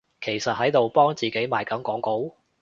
其實喺度幫自己賣緊廣告？